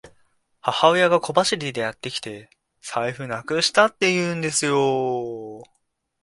母親が小走りでやってきて、財布なくしたって言うんですよ。